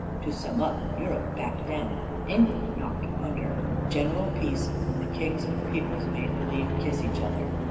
To sum up: Europe backed down, England knocked under. General peace; and the kings and the peoples made believe kiss each other.